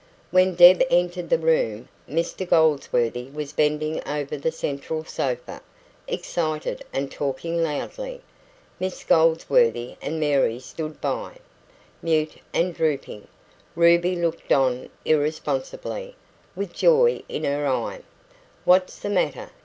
When Deb entered the room, Mr Goldsworthy was bending over the central sofa, excited and talking loudly. Miss Goldsworthy and Mary stood by, mute and drooping; Ruby looked on irresponsibly, with joy in her eye. "What's the matter?"